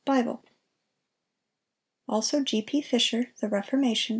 Bible; also G. P. Fisher, "The Reformation," ch.